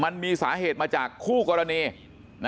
มันต้องการมาหาเรื่องมันจะมาแทงนะ